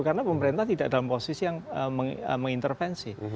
karena pemerintah tidak dalam posisi yang mengintervensi